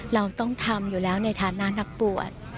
เราต้องทำอยู่แล้วในฐานะนักบวช